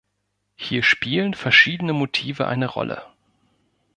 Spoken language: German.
Hier spielen verschiedene Motive eine Rolle.